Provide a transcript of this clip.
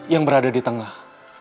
yang berada di tengah